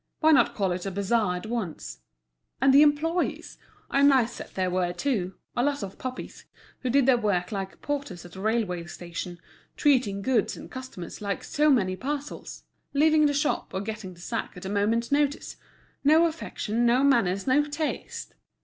Why not call it a bazaar at once? And the employees! a nice set they were too—a lot of puppies, who did their work like porters at a railway station, treating goods and customers like so many parcels; leaving the shop or getting the sack at a moment's notice. No affection, no manners, no taste!